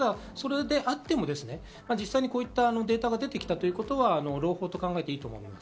それであっても実際こういったデータが出てきたということは朗報と考えていいと思います。